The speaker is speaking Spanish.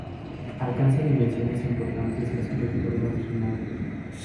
Alcanza dimensiones importantes en su entorno original.